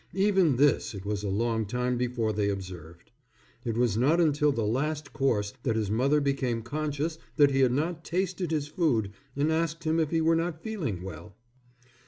Even this it was a long time before they observed. It was not until the last course that his mother became conscious that he had not tasted his food and asked him if he were not feeling well.